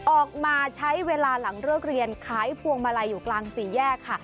ออกมาใช้เวลาหลังเลิกเรียนขายพวงมาลัยอยู่กลางสี่แยกค่ะ